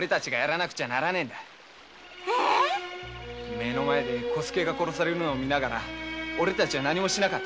目の前で小助が殺されるのを見ながらオレらは何もしなかった。